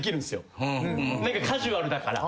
カジュアルだから。